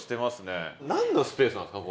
何のスペースなんですか？